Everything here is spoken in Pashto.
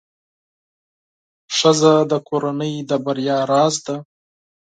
ښځه د کورنۍ د بریا راز ده.